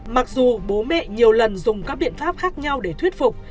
mặc dù bố mẹ nhiều lần dùng các biện pháp khác nhau để thuyết phục